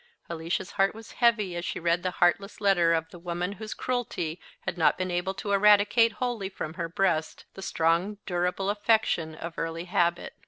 Alicia's heart was heavy as she read the heartless letter of the woman whose cruelty ad not been able to eradicate wholly from her breast he strong durable affection of early habit.